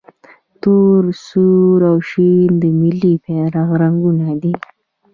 تور، سور او شین د ملي بیرغ رنګونه دي.